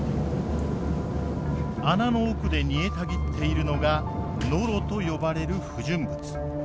穴の奥で煮えたぎっているのがノロと呼ばれる不純物。